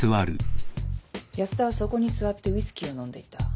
安田はそこに座ってウイスキーを飲んでいた。